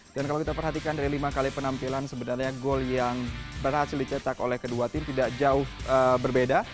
dan kalau kita perhatikan dari lima kali penampilan sebenarnya gol yang berhasil ditetap oleh kedua tim tidak jauh berbeda